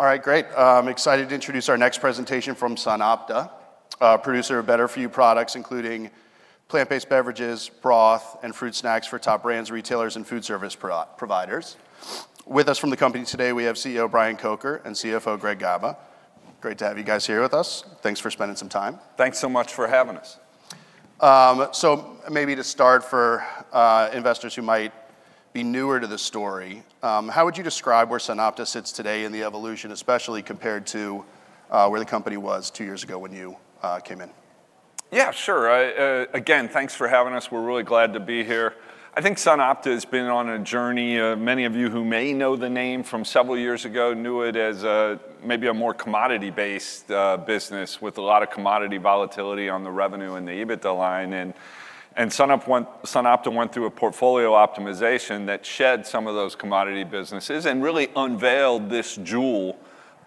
All right, great. I'm excited to introduce our next presentation from SunOpta, producer of better-for-you products including plant-based beverages, broth, and fruit snacks for top brands, retailers, and food service providers. With us from the company today, we have CEO Brian Kocher and CFO Greg Gaba. Great to have you guys here with us. Thanks for spending some time. Thanks so much for having us. So maybe to start, for investors who might be newer to the story, how would you describe where SunOpta sits today in the evolution, especially compared to where the company was two years ago when you came in? Yeah, sure. Again, thanks for having us. We're really glad to be here. I think SunOpta has been on a journey. Many of you who may know the name from several years ago knew it as maybe a more commodity-based business with a lot of commodity volatility on the revenue and the EBITDA line. And SunOpta went through a portfolio optimization that shed some of those commodity businesses and really unveiled this jewel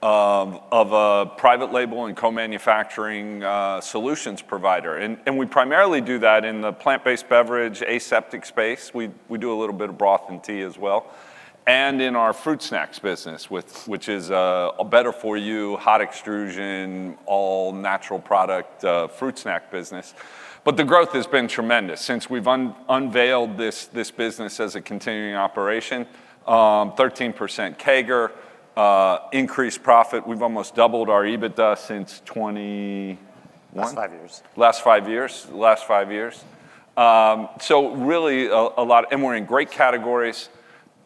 of a private label and co-manufacturing solutions provider. And we primarily do that in the plant-based beverage aseptic space. We do a little bit of broth and tea as well. And in our fruit snacks business, which is a better-for-you, hot extrusion, all-natural product fruit snack business. But the growth has been tremendous since we've unveiled this business as a continuing operation: 13% CAGR, increased profit. We've almost doubled our EBITDA since 20. Last five years. Last five years. So really a lot of, and we're in great categories.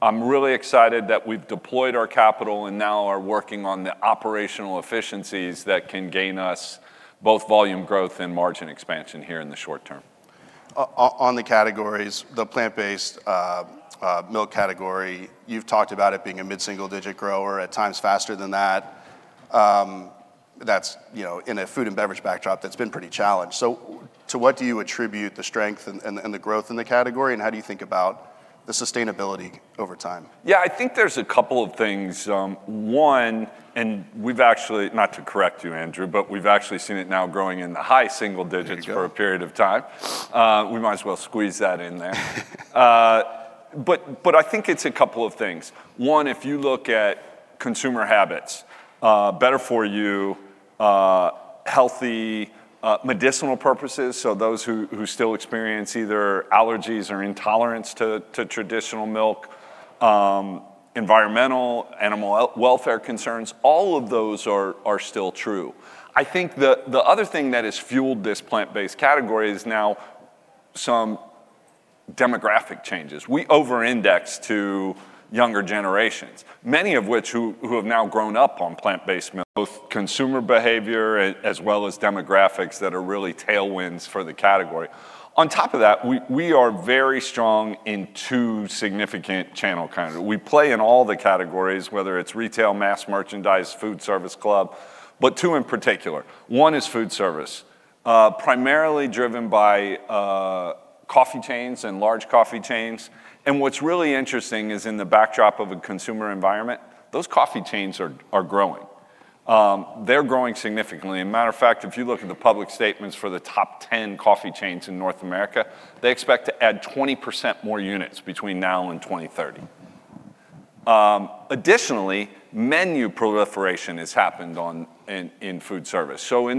I'm really excited that we've deployed our capital and now are working on the operational efficiencies that can gain us both volume growth and margin expansion here in the short term. On the categories, the plant-based milk category, you've talked about it being a mid-single digit grower, at times faster than that. That's in a food and beverage backdrop that's been pretty challenged. So to what do you attribute the strength and the growth in the category? And how do you think about the sustainability over time? Yeah, I think there's a couple of things. One, and we've actually, not to correct you, Andrew, but we've actually seen it now growing in the high single digits for a period of time. We might as well squeeze that in there. But I think it's a couple of things. One, if you look at consumer habits, better-for-you, healthy medicinal purposes, so those who still experience either allergies or intolerance to traditional milk, environmental, animal welfare concerns, all of those are still true. I think the other thing that has fueled this plant-based category is now some demographic changes. We over-index to younger generations, many of which who have now grown up on plant-based milk, both consumer behavior as well as demographics that are really tailwinds for the category. On top of that, we are very strong in two significant channels. We play in all the categories, whether it's retail, mass merchandise, food service, club, but two in particular. One is food service, primarily driven by coffee chains and large coffee chains, and what's really interesting is in the backdrop of a consumer environment, those coffee chains are growing. They're growing significantly. As a matter of fact, if you look at the public statements for the top 10 coffee chains in North America, they expect to add 20% more units between now and 2030. Additionally, menu proliferation has happened in food service, so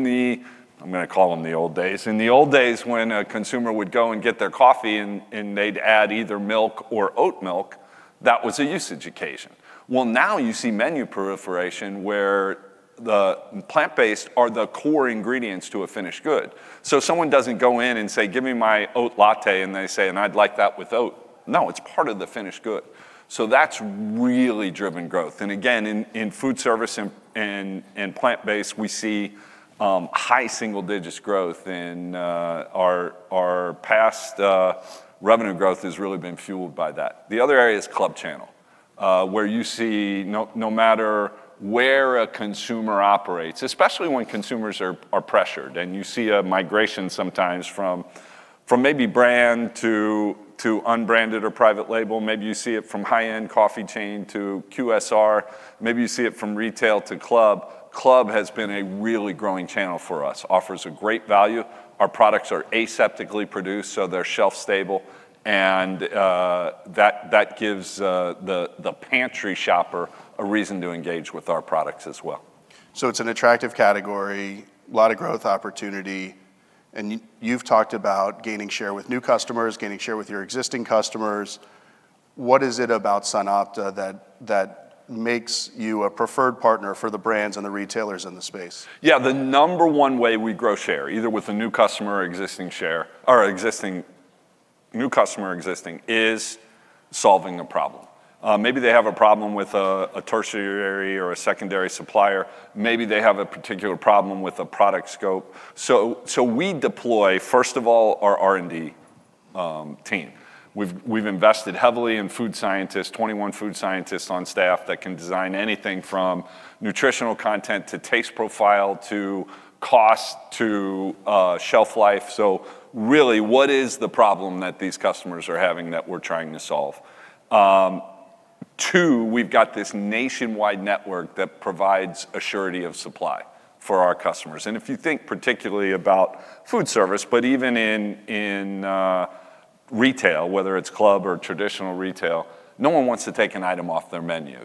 I'm going to call them the old days, in the old days when a consumer would go and get their coffee and they'd add either milk or oat milk, that was a usage occasion, well, now you see menu proliferation where the plant-based are the core ingredients to a finished good. So someone doesn't go in and say, "Give me my oat latte," and they say, "And I'd like that with oat." No, it's part of the finished good. So that's really driven growth. And again, in food service and plant-based, we see high single digits growth, and our past revenue growth has really been fueled by that. The other area is club channel, where you see no matter where a consumer operates, especially when consumers are pressured, and you see a migration sometimes from maybe brand to unbranded or private label, maybe you see it from high-end coffee chain to QSR, maybe you see it from retail to club. Club has been a really growing channel for us, offers a great value. Our products are aseptically produced, so they're shelf stable, and that gives the pantry shopper a reason to engage with our products as well. So it's an attractive category, a lot of growth opportunity, and you've talked about gaining share with new customers, gaining share with your existing customers. What is it about SunOpta that makes you a preferred partner for the brands and the retailers in the space? Yeah, the number one way we grow share, either with a new customer or existing share, or existing new customer existing, is solving a problem. Maybe they have a problem with a tertiary or a secondary supplier. Maybe they have a particular problem with a product scope. So we deploy, first of all, our R&D team. We've invested heavily in food scientists, 21 food scientists on staff that can design anything from nutritional content to taste profile to cost to shelf life. So really, what is the problem that these customers are having that we're trying to solve? Two, we've got this nationwide network that provides a surety of supply for our customers. And if you think particularly about food service, but even in retail, whether it's club or traditional retail, no one wants to take an item off their menu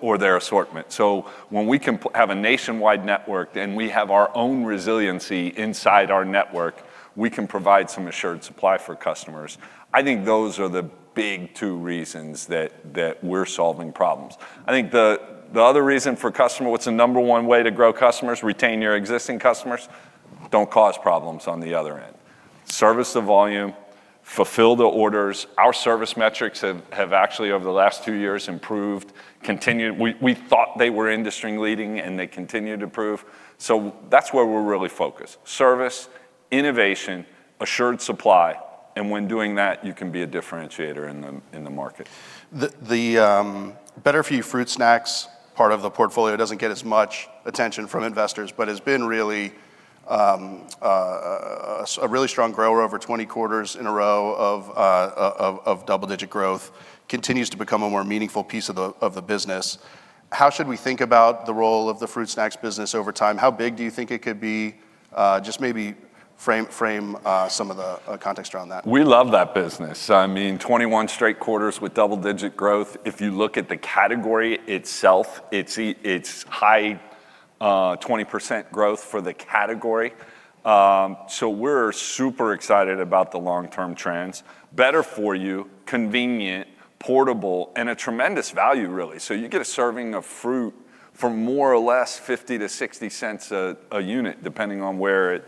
or their assortment. So when we can have a nationwide network and we have our own resiliency inside our network, we can provide some assured supply for customers. I think those are the big two reasons that we're solving problems. I think the other reason for customer, what's the number one way to grow customers? Retain your existing customers, don't cause problems on the other end. Service the volume, fulfill the orders. Our service metrics have actually, over the last two years, improved, continued. We thought they were industry leading, and they continue to prove. So that's where we're really focused: service, innovation, assured supply. And when doing that, you can be a differentiator in the market. The better-for-you fruit snacks part of the portfolio doesn't get as much attention from investors, but has been really a strong grower over 20 quarters in a row of double-digit growth, continues to become a more meaningful piece of the business. How should we think about the role of the fruit snacks business over time? How big do you think it could be? Just maybe frame some of the context around that. We love that business. I mean, 21 straight quarters with double-digit growth. If you look at the category itself, it's high 20% growth for the category. So we're super excited about the long-term trends. Better-for-you, convenient, portable, and a tremendous value, really. So you get a serving of fruit for more or less 50 to 60 cents a unit, depending on where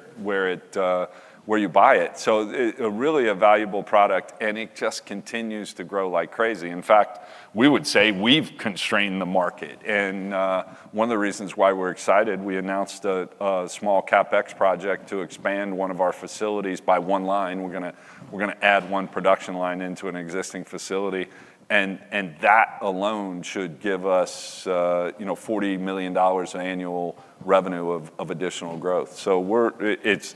you buy it. So really a valuable product, and it just continues to grow like crazy. In fact, we would say we've constrained the market. And one of the reasons why we're excited, we announced a small CapEx project to expand one of our facilities by one line. We're going to add one production line into an existing facility. And that alone should give us $40 million in annual revenue of additional growth. So it's.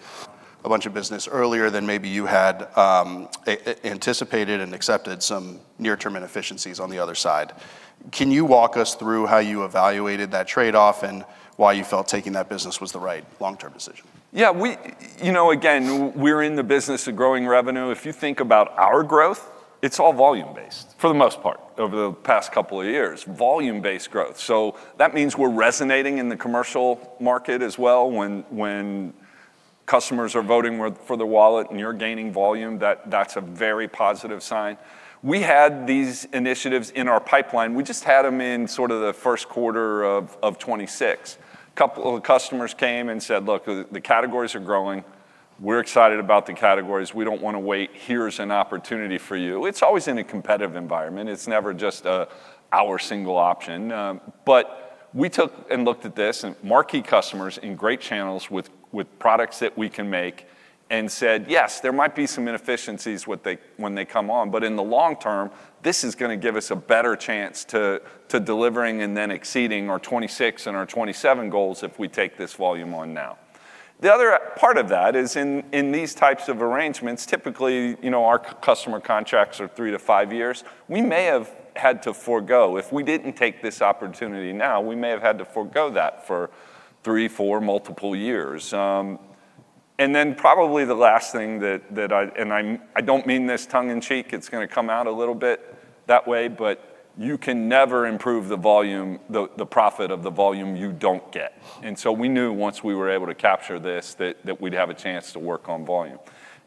A bunch of business earlier than maybe you had anticipated and accepted some near-term inefficiencies on the other side. Can you walk us through how you evaluated that trade-off and why you felt taking that business was the right long-term decision? Yeah, you know, again, we're in the business of growing revenue. If you think about our growth, it's all volume-based for the most part over the past couple of years, volume-based growth. So that means we're resonating in the commercial market as well. When customers are voting for the wallet and you're gaining volume, that's a very positive sign. We had these initiatives in our pipeline. We just had them in sort of the first quarter of 2026. A couple of customers came and said, "Look, the categories are growing. We're excited about the categories. We don't want to wait. Here's an opportunity for you." It's always in a competitive environment. It's never just our single option. But we took and looked at this and marquee customers in great channels with products that we can make and said, "Yes, there might be some inefficiencies when they come on, but in the long term, this is going to give us a better chance to delivering and then exceeding our 2026 and our 2027 goals if we take this volume on now." The other part of that is in these types of arrangements, typically our customer contracts are three to five years. We may have had to forego if we didn't take this opportunity now, we may have had to forego that for three, four, multiple years. And then probably the last thing that, and I don't mean this tongue-in-cheek, it's going to come out a little bit that way, but you can never improve the volume, the profit of the volume you don't get. And so we knew once we were able to capture this that we'd have a chance to work on volume.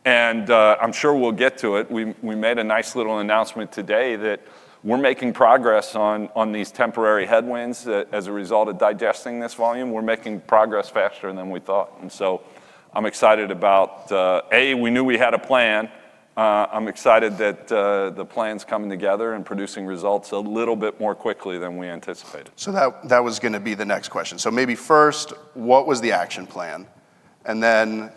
And I'm sure we'll get to it. We made a nice little announcement today that we're making progress on these temporary headwinds as a result of digesting this volume. We're making progress faster than we thought. And so I'm excited about, A, we knew we had a plan. I'm excited that the plan's coming together and producing results a little bit more quickly than we anticipated. So that was going to be the next question. So maybe first, what was the action plan? And then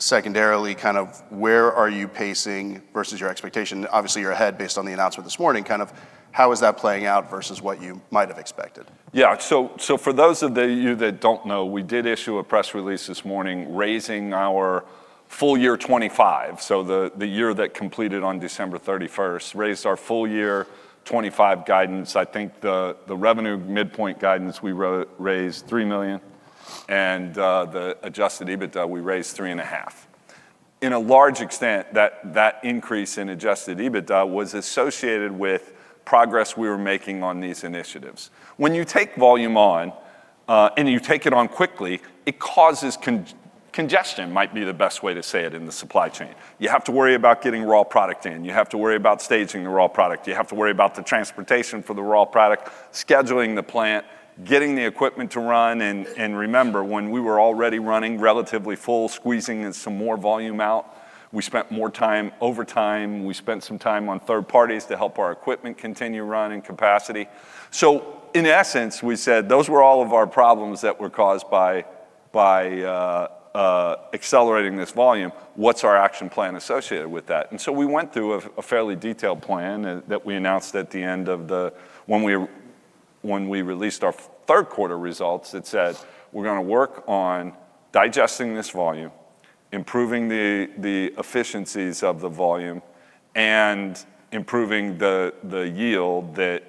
secondarily, kind of where are you pacing versus your expectation? Obviously, you're ahead based on the announcement this morning. Kind of how is that playing out versus what you might have expected? Yeah, so for those of you that don't know, we did issue a press release this morning raising our full year 2025. So the year that completed on December 31st raised our full year 2025 guidance. I think the revenue midpoint guidance we raised $3 million, and the Adjusted EBITDA we raised $3.5 million. In a large extent, that increase in Adjusted EBITDA was associated with progress we were making on these initiatives. When you take volume on and you take it on quickly, it causes congestion, might be the best way to say it, in the supply chain. You have to worry about getting raw product in. You have to worry about staging the raw product. You have to worry about the transportation for the raw product, scheduling the plant, getting the equipment to run. And remember, when we were already running relatively full, squeezing in some more volume out, we spent more time over time. We spent some time on third parties to help our equipment continue running capacity. So in essence, we said those were all of our problems that were caused by accelerating this volume. What's our action plan associated with that? And so we went through a fairly detailed plan that we announced at the end of the, when we released our third quarter results, that said we're going to work on digesting this volume, improving the efficiencies of the volume, and improving the yield that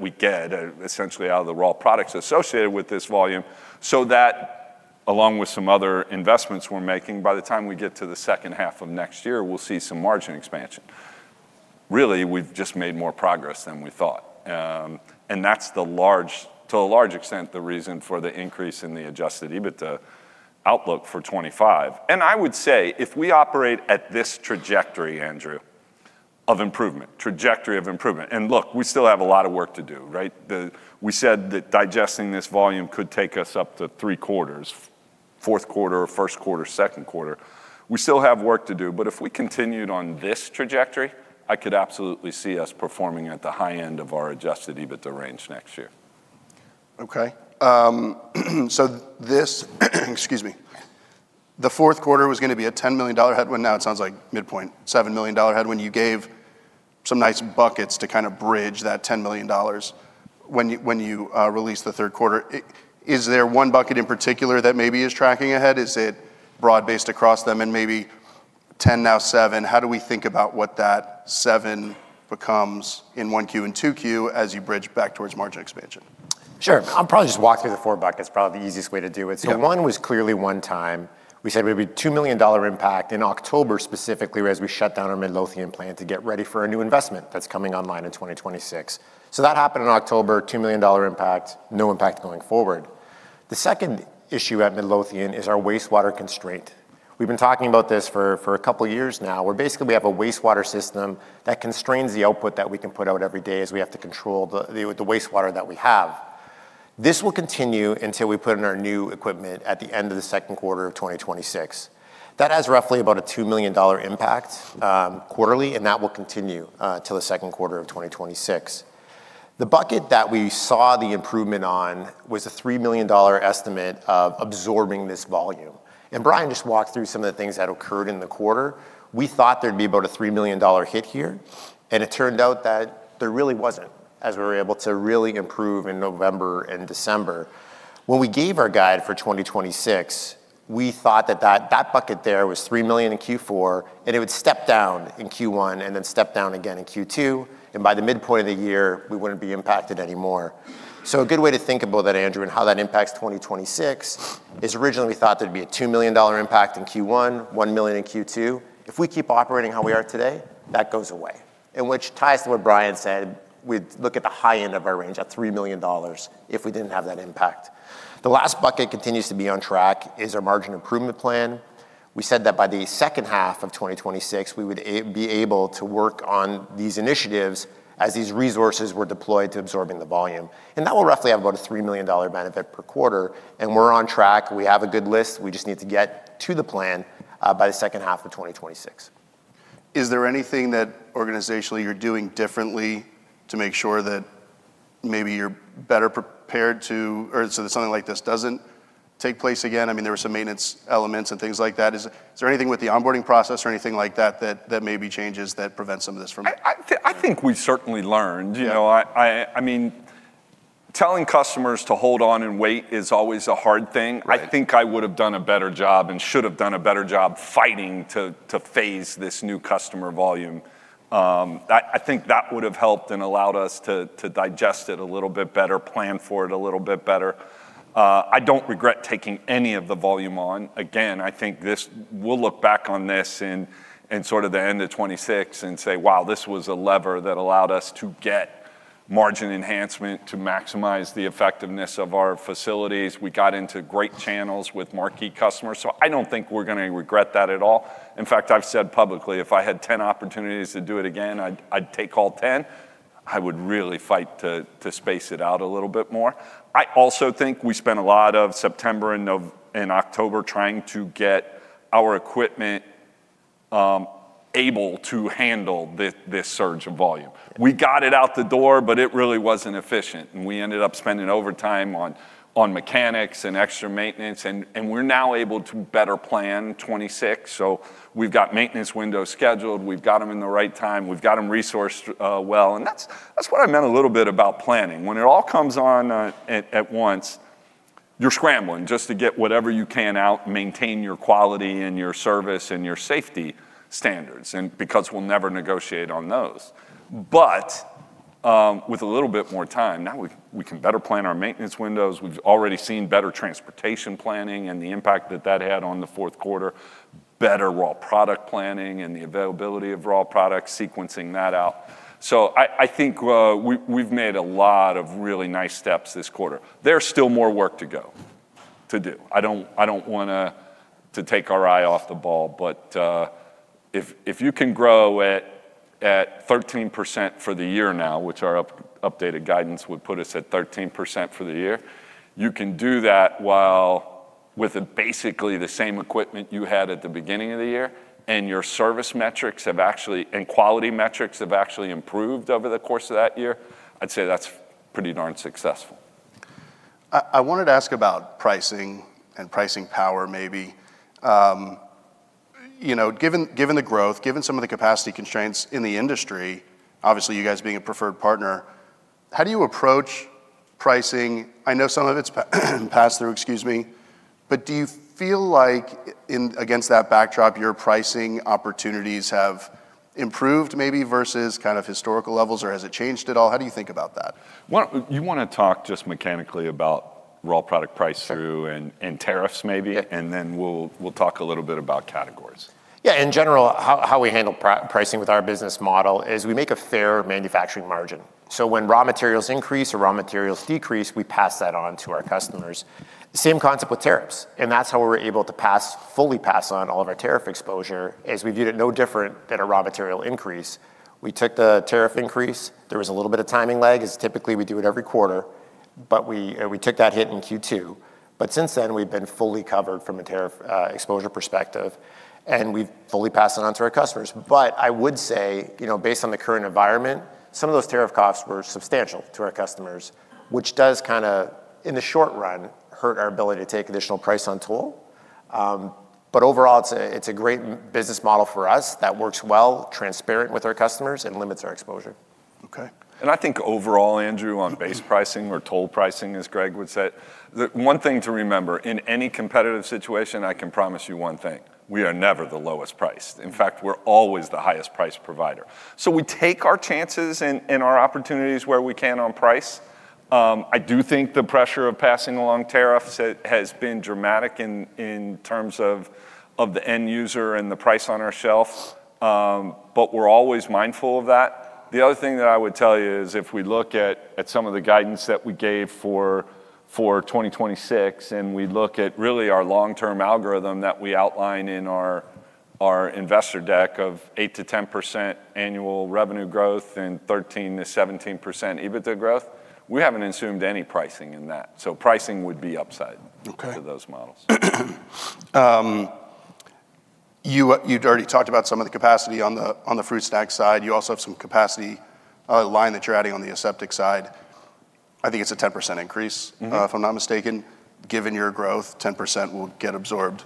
we get essentially out of the raw products associated with this volume so that along with some other investments we're making, by the time we get to the second half of next year, we'll see some margin expansion. Really, we've just made more progress than we thought. That's largely, to a large extent, the reason for the increase in the adjusted EBITDA outlook for 2025. I would say if we operate at this trajectory, Andrew, of improvement, trajectory of improvement, and look, we still have a lot of work to do, right? We said that digesting this volume could take us up to three quarters, fourth quarter, first quarter, second quarter. We still have work to do, but if we continued on this trajectory, I could absolutely see us performing at the high end of our adjusted EBITDA range next year. Okay. So this, excuse me, the fourth quarter was going to be a $10 million headwind. Now it sounds like midpoint, $7 million headwind. You gave some nice buckets to kind of bridge that $10 million when you released the third quarter. Is there one bucket in particular that maybe is tracking ahead? Is it broad-based across them and maybe 10 now, 7? How do we think about what that 7 becomes in 1Q and 2Q as you bridge back towards margin expansion? Sure. I'll probably just walk through the four buckets. Probably the easiest way to do it. So one was clearly one time. We said we would be $2 million impact in October specifically as we shut down our Midlothian plant to get ready for a new investment that's coming online in 2026. So that happened in October, $2 million impact, no impact going forward. The second issue at Midlothian is our wastewater constraint. We've been talking about this for a couple of years now. We basically have a wastewater system that constrains the output that we can put out every day as we have to control the wastewater that we have. This will continue until we put in our new equipment at the end of the second quarter of 2026. That has roughly about a $2 million impact quarterly, and that will continue until the second quarter of 2026. The bucket that we saw the improvement on was a $3 million estimate of absorbing this volume. And Brian just walked through some of the things that occurred in the quarter. We thought there'd be about a $3 million hit here, and it turned out that there really wasn't as we were able to really improve in November and December. When we gave our guide for 2026, we thought that that bucket there was $3 million in Q4, and it would step down in Q1 and then step down again in Q2. And by the midpoint of the year, we wouldn't be impacted anymore. So a good way to think about that, Andrew, and how that impacts 2026 is originally we thought there'd be a $2 million impact in Q1, $1 million in Q2. If we keep operating how we are today, that goes away, which ties to what Brian said. We'd look at the high end of our range at $3 million if we didn't have that impact. The last bucket continues to be on track is our margin improvement plan. We said that by the second half of 2026, we would be able to work on these initiatives as these resources were deployed to absorbing the volume. And that will roughly have about a $3 million benefit per quarter. And we're on track. We have a good list. We just need to get to the plan by the second half of 2026. Is there anything that organizationally you're doing differently to make sure that maybe you're better prepared to, or so that something like this doesn't take place again? I mean, there were some maintenance elements and things like that. Is there anything with the onboarding process or anything like that that maybe changes that prevents some of this from happening? I think we certainly learned. I mean, telling customers to hold on and wait is always a hard thing. I think I would have done a better job and should have done a better job fighting to phase this new customer volume. I think that would have helped and allowed us to digest it a little bit better, plan for it a little bit better. I don't regret taking any of the volume on. Again, I think we'll look back on this in sort of the end of '26 and say, "Wow, this was a lever that allowed us to get margin enhancement to maximize the effectiveness of our facilities." We got into great channels with marquee customers. So I don't think we're going to regret that at all. In fact, I've said publicly, if I had 10 opportunities to do it again, I'd take all 10. I would really fight to space it out a little bit more. I also think we spent a lot of September and October trying to get our equipment able to handle this surge of volume. We got it out the door, but it really wasn't efficient, and we ended up spending overtime on mechanics and extra maintenance, and we're now able to better plan 2026, so we've got maintenance windows scheduled. We've got them in the right time. We've got them resourced well, and that's what I meant a little bit about planning. When it all comes on at once, you're scrambling just to get whatever you can out and maintain your quality and your service and your safety standards, because we'll never negotiate on those, but with a little bit more time, now we can better plan our maintenance windows. We've already seen better transportation planning and the impact that that had on the fourth quarter, better raw product planning and the availability of raw product, sequencing that out. So I think we've made a lot of really nice steps this quarter. There's still more work to go to do. I don't want to take our eye off the ball, but if you can grow at 13% for the year now, which our updated guidance would put us at 13% for the year, you can do that while with basically the same equipment you had at the beginning of the year, and your service metrics have actually, and quality metrics have actually improved over the course of that year, I'd say that's pretty darn successful. I wanted to ask about pricing and pricing power maybe. Given the growth, given some of the capacity constraints in the industry, obviously you guys being a preferred partner, how do you approach pricing? I know some of it's passed through, excuse me, but do you feel like against that backdrop, your pricing opportunities have improved maybe versus kind of historical levels, or has it changed at all? How do you think about that? You want to talk just mechanically about raw product price through and tariffs maybe, and then we'll talk a little bit about categories. Yeah, in general, how we handle pricing with our business model is we make a fair manufacturing margin. So when raw materials increase or raw materials decrease, we pass that on to our customers. Same concept with tariffs. And that's how we were able to fully pass on all of our tariff exposure as we viewed it no different than a raw material increase. We took the tariff increase. There was a little bit of timing lag as typically we do it every quarter, but we took that hit in Q2. But since then, we've been fully covered from a tariff exposure perspective, and we've fully passed it on to our customers. But I would say, based on the current environment, some of those tariff costs were substantial to our customers, which does kind of, in the short run, hurt our ability to take additional price on toll. But overall, it's a great business model for us that works well, transparent with our customers, and limits our exposure. Okay. I think overall, Andrew, on base pricing or toll pricing, as Greg would say, one thing to remember, in any competitive situation, I can promise you one thing. We are never the lowest priced. In fact, we're always the highest price provider. So we take our chances and our opportunities where we can on price. I do think the pressure of passing along tariffs has been dramatic in terms of the end user and the price on our shelf, but we're always mindful of that. The other thing that I would tell you is if we look at some of the guidance that we gave for 2026, and we look at really our long-term algorithm that we outline in our investor deck of 8%-10% annual revenue growth and 13%-17% EBITDA growth, we haven't assumed any pricing in that. Pricing would be upside for those models. You'd already talked about some of the capacity on the fruit snack side. You also have some capacity line that you're adding on the aseptic side. I think it's a 10% increase, if I'm not mistaken. Given your growth, 10% will get absorbed,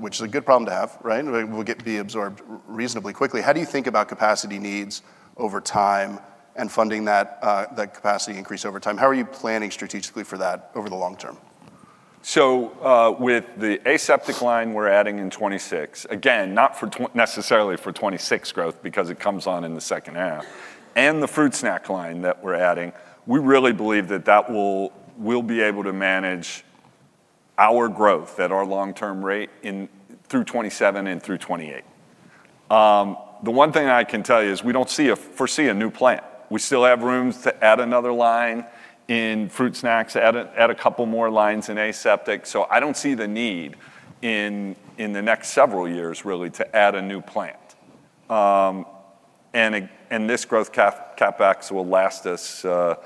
which is a good problem to have, right? It will be absorbed reasonably quickly. How do you think about capacity needs over time and funding that capacity increase over time? How are you planning strategically for that over the long term? So with the aseptic line we're adding in 2026, again, not necessarily for 2026 growth because it comes on in the second half, and the fruit snack line that we're adding, we really believe that that will be able to manage our growth at our long-term rate through 2027 and through 2028. The one thing I can tell you is we don't foresee a new plant. We still have room to add another line in fruit snacks, add a couple more lines in aseptic. So I don't see the need in the next several years really to add a new plant. And this growth CapEx will last us for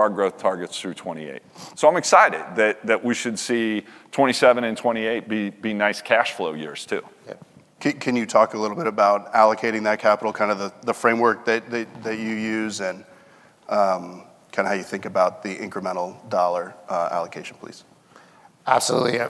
our growth targets through 2028. So I'm excited that we should see 2027 and 2028 be nice cash flow years too. Can you talk a little bit about allocating that capital, kind of the framework that you use and kind of how you think about the incremental dollar allocation, please? Absolutely.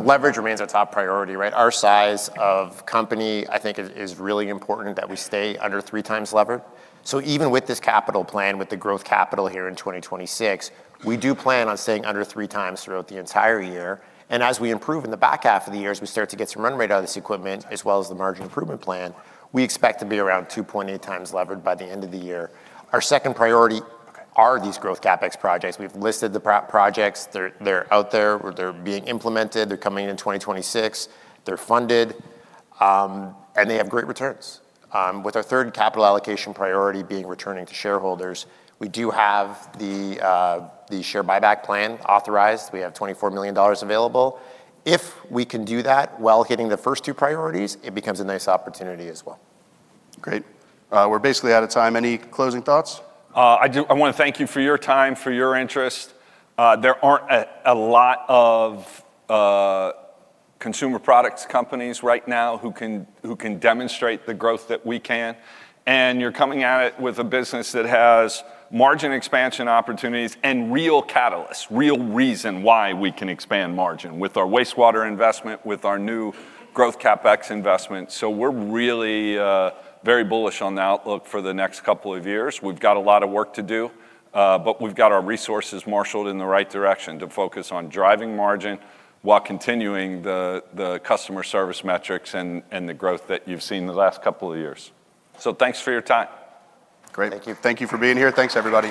Leverage remains a top priority, right? Our size of company, I think, is really important that we stay under three times levered. So even with this capital plan, with the growth capital here in 2026, we do plan on staying under three times throughout the entire year. And as we improve in the back half of the year as we start to get some run rate out of this equipment, as well as the margin improvement plan, we expect to be around 2.8 times levered by the end of the year. Our second priority are these growth CapEx projects. We've listed the projects. They're out there. They're being implemented. They're coming in 2026. They're funded, and they have great returns. With our third capital allocation priority being returning to shareholders, we do have the share buyback plan authorized. We have $24 million available. If we can do that while hitting the first two priorities, it becomes a nice opportunity as well. Great. We're basically out of time. Any closing thoughts? I want to thank you for your time, for your interest. There aren't a lot of consumer products companies right now who can demonstrate the growth that we can. And you're coming at it with a business that has margin expansion opportunities and real catalysts, real reason why we can expand margin with our wastewater investment, with our new growth CapEx investment. So we're really very bullish on the outlook for the next couple of years. We've got a lot of work to do, but we've got our resources marshaled in the right direction to focus on driving margin while continuing the customer service metrics and the growth that you've seen the last couple of years. So thanks for your time. Great. Thank you. Thank you for being here. Thanks, everybody.